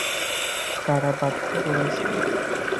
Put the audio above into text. কারা বাধ্য করেছিল?